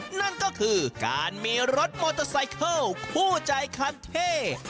นั่นก็คือการมีรถโมโทไซเคิลคู่ใจคัดเท่